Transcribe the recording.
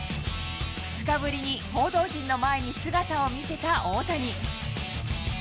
２日ぶりに報道陣の前に姿を見せた大谷。